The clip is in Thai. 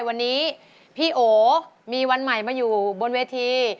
วันนี้พี่โอมีวันใหม่มาอยู่บนเวที